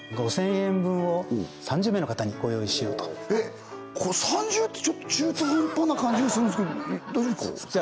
５０００円分を３０名の方にご用意しようとえっ３０ってちょっと中途半端な感じがするんですけど大丈夫ですか？